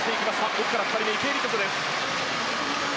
奥から２人目池江璃花子です。